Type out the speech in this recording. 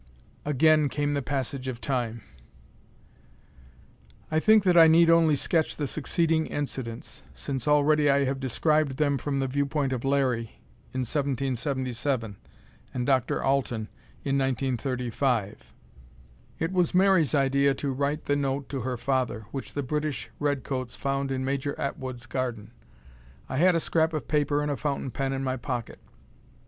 Again came the passage of Time. I think that I need only sketch the succeeding incidents, since already I have described them from the viewpoint of Larry, in 1777, and Dr. Alten, in 1935. It was Mary's idea to write the note to her father, which the British redcoats found in Major Atwood's garden. I had a scrap of paper and a fountain pen in my pocket.